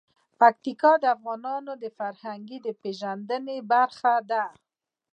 پکتیا د افغانانو د فرهنګي پیژندنې برخه ده.